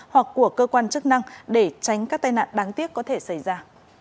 hoặc của cơ quan chức năng để tránh các tai nạn đáng tiếc có thể xảy ra